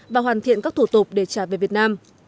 và hoàn thiện các thủ tục để trả về việt nam